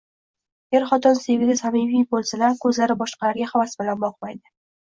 Er-xotin sevgida samimiy bo‘lsalar, ko‘zlari boshqalarga havas bilan boqmaydi.